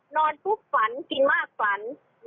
ปุ๊บฝันกินมากฝัน